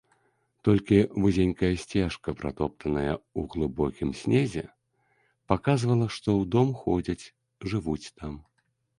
Толькі вузенькая сцежка, пратоптаная ў глыбокім снезе, паказвала, што ў дом ходзяць, жывуць там.